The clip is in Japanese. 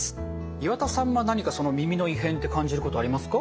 岩田さんは何か耳の異変って感じることありますか？